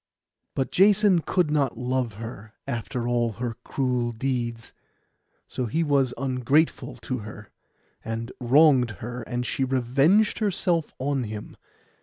But Jason could not love her, after all her cruel deeds. So he was ungrateful to her, and wronged her; and she revenged herself on him.